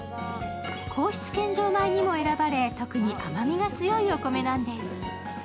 皇室献上米にも選ばれ特に甘みが強いお米なんです。